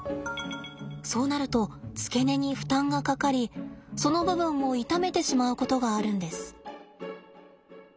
そうなると付け根に負担がかかりその部分を痛めてしまうことがあるんです。